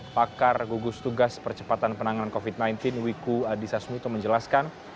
pakar gugus tugas percepatan penanganan covid sembilan belas wiku adhisa smito menjelaskan